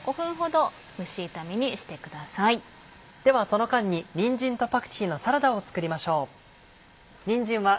ではその間ににんじんとパクチーのサラダを作りましょう。